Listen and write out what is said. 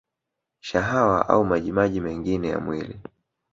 Shahawa au maji maji mengine ya mwili